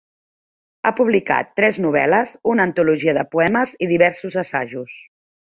Ha publicat tres novel·les, una antologia de poemes i diversos assajos.